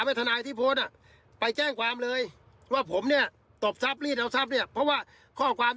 ไม่ได้หมาเลยนะ